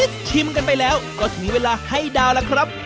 ถึงก็เวลาให้ดาวละครับ